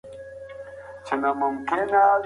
انسان په طبعي ډول خوځنده دی.